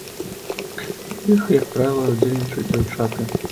У іх, як правіла, удзельнічаюць дзяўчаты.